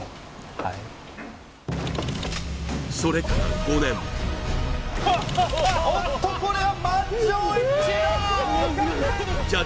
はいそれから５年おっとこれは満場一致だ！